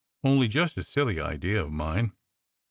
Only just a silly idea of mine."